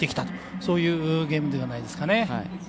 そういうゲームではないでしょうかね。